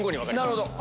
なるほど！